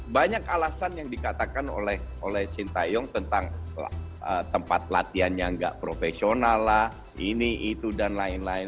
banyak alasan yang dikatakan oleh sintayung tentang tempat latihannya tidak profesional ini itu dan lain lain